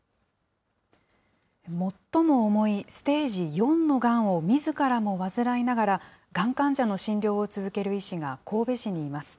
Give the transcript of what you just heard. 最も重いステージ４のがんをみずからも患いながら、がん患者の診療を続ける医師が神戸市にいます。